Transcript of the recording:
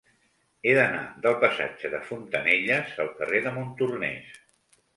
He d'anar del passatge de Fontanelles al carrer de Montornès.